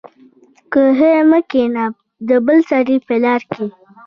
کوهي مه کينه دبل سړي په لار کي